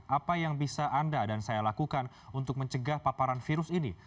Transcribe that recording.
apa yang bisa anda dan saya lakukan untuk mencegah paparan virus ini